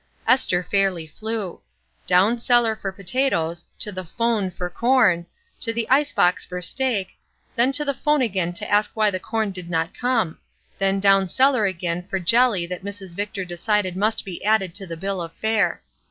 Esther fairly flew. Down cellar for potatoes, to the "phone" for corn, to the ice box for steak, then to the phone again to ask why the corn did not come; then down cellar again for jelly that Mrs. Victor decided must be added to the bill of fare.